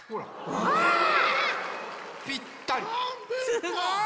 すごい。